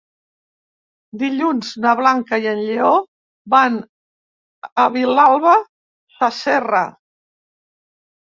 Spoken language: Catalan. Dilluns na Blanca i en Lleó van a Vilalba Sasserra.